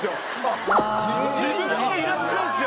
自分にイラつくんですよ。